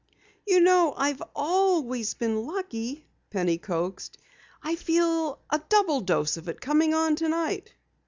"You know, I've ALWAYS been lucky," Penny coaxed. "I feel a double dose of it coming on tonight!"